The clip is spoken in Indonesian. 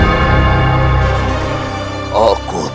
baik gusti amokmarung